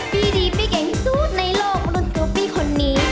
ปีดีปีเก่งซุดในโลกมันต้องเกี่ยวปีคนนี้